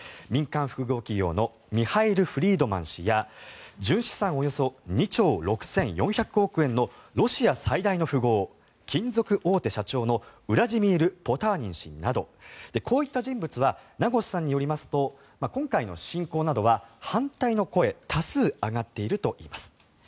民間複合企業のミハイル・フリードマン氏や純資産およそ２兆６４００億円のロシア最大の富豪金属大手社長のウラジーミル・ポターニン氏などこういった人物は名越さんによりますと今回の侵攻などは反対の声多数上がっているといいます。